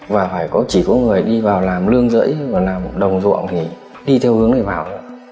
và phải có chỉ có người đi vào làm lương rẫy và làm đồng ruộng thì đi theo hướng người vào